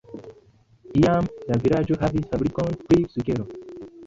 Iam la vilaĝo havis fabrikon pri sukero.